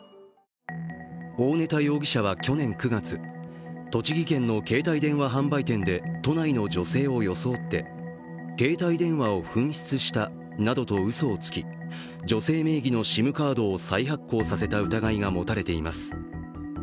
大根田容疑者は去年９月、栃木県の携帯電話販売店で都内の女性を装って、携帯電話を紛失したなどとうそをつき女性名義のＳＩＭカードを再発行させた疑いが持たれています。